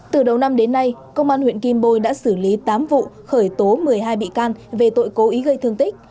từ đầu năm đến nay công an huyện kim bồi đã xử lý tám vụ khởi tố một mươi hai bị can về tội cố ý gây thương tích